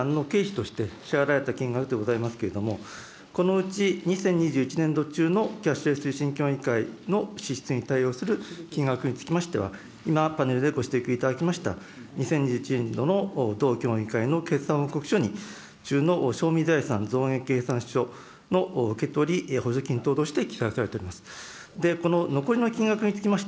第２弾の経費として支払われた金額ということでございますけれども、このうち２０２１年度中のキャッシュレス推進協議会の支出に対応する金額につきましては、今、パネルでご指摘いただきました、２０２１年度の同協議会の決算報告書に、計算報告書、受け取り、補助金等として記載されております。